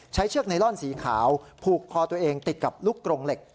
เชือกไนลอนสีขาวผูกคอตัวเองติดกับลูกกรงเหล็ก